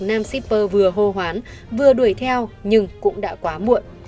nam shipper vừa hô hoán vừa đuổi theo nhưng cũng đã quá muộn